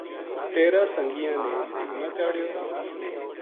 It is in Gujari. تیرا سنگیاں نے توہ نہ چاڑھیو